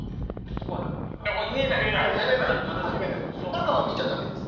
中は見ちゃダメです。